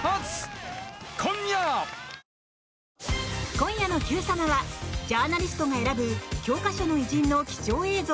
今夜の「Ｑさま！！」はジャーナリストが選ぶ教科書の偉人の貴重映像